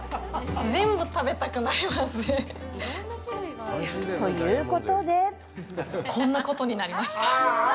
全部食べたくなりますね。ということでこんなことになりました。